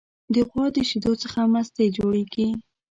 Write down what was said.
د غوا د شیدو څخه مستې جوړیږي.